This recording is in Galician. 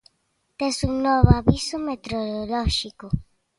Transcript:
Tes un novo aviso meteorolóxico